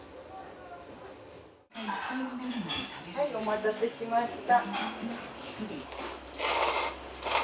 はいお待たせしました。